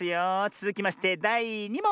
つづきましてだい２もん！